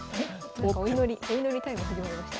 なんかお祈りタイム始まりました。